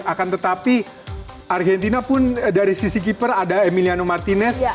akan tetapi argentina pun dari sisi keeper ada emiliano martinez